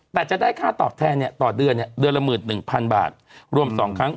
แต่จะได้ค่าตอบแทนเนี่ยต่อเดือนเดือนละ๑๑๐๐๐บาทรวม๒ครั้ง